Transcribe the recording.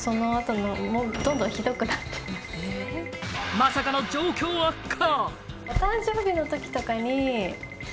まさかの状況悪化。